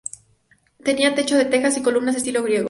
Tenía techo de tejas y columnas estilo griego.